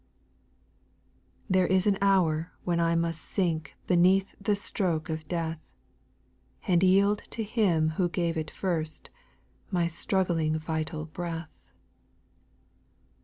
2. There is an hour when I must sink Beneath the stroke of death ; And yield to Him who gave it first, My struggling vital breath.